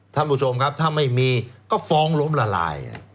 ท่านผู้ชมครับถ้าไม่มีก็ฟ้องล้มละลาย